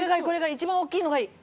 一番大きいのがいい！